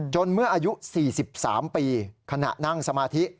เมื่ออายุ๔๓ปีขณะนั่งสมาธิ